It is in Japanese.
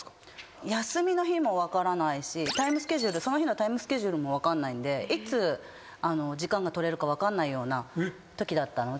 休みの日も分からないしその日のタイムスケジュールも分かんないんでいつ時間が取れるか分かんないようなときだったので。